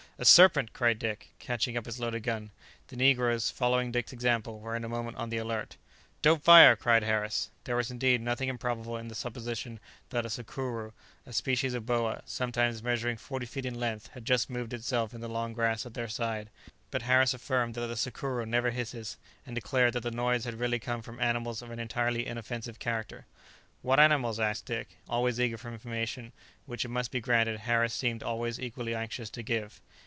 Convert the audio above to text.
"A serpent!" cried Dick, catching up his loaded gun. The negroes, following Dick's example, were in a moment on the alert. "Don't fire!" cried Harris. There was indeed nothing improbable in the supposition that a "sucuru," a species of boa, sometimes measuring forty feet in length, had just moved itself in the long grass at their side, but Harris affirmed that the "sucuru" never hisses, and declared that the noise had really come from animals of an entirely inoffensive character. "What animals?" asked Dick, always eager for information, which it must be granted Harris seemed always equally anxious to give.